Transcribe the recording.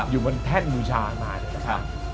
อยู่บนแท่นมูชามาเลย